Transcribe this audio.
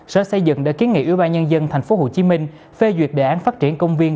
sở xây dựng đã kiến nghị ưu ba nhân dân thành phố hồ chí minh phê duyệt đề án phát triển công viên